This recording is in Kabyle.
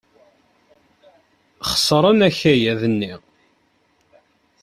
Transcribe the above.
Xeṣren akayad-nni.